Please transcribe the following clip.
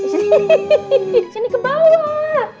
sini ke bawah